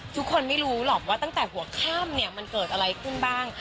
ทุกคนไม่รู้หรอกว่าตั้งแต่หัวข้ามเนี่ยมันเกิดอะไรขึ้นบ้าง